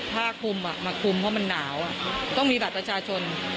ผ้าคุมมาคุมเพราะมันหนาวต้องมีบัตรประชาชน